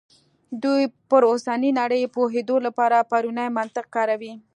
دوی پر اوسنۍ نړۍ پوهېدو لپاره پرونی منطق کاروي.